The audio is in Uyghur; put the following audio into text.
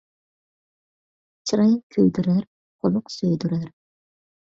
چىراي كۆيدۈرەر، خۇلق سۆيدۈرەر